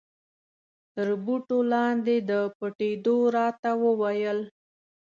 تر بوټو لاندې د پټېدو را ته و ویل.